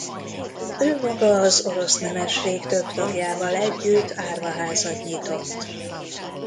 Ő maga az orosz nemesség több tagjával együtt árvaházat nyitott.